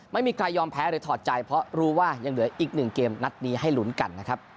ไม่มีใครยอมแพ้หรือถอดใจเพราะรู้ว่ายังเหลืออีกหนึ่งเกมนัดนี้ให้ลุ้นกันนะครับ